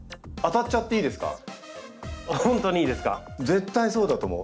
絶対そうだと思う。